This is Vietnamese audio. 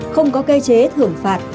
không có cây chế thưởng phạt